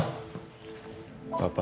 terima kasih pak